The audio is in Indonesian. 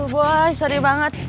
aduh boy seri banget